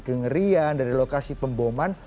kengerian dari lokasi pemboman